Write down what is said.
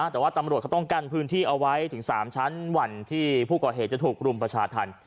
แต่ว่าตำรวจเขาต้องกั้นพื้นที่เอาไว้ถึง๓ชั้นหวั่นที่ผู้ก่อเหตุจะถูกรุมประชาธรรม